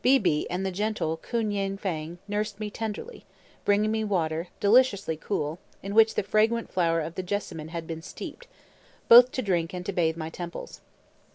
Beebe and the gentle Koon Ying Phan nursed me tenderly, bringing me water, deliciously cool, in which the fragrant flower of the jessamine had been steeped, both to drink and to bathe my temples.